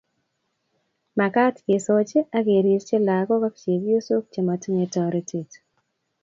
Makaat kesochi akerirchi lakok ak chepyosok chematinyei toretet